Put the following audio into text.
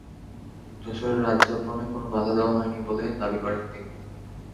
যশোরে রাত যাপনে কোনো বাধা দেওয়া হয়নি বলে দাবি করেন তিনি।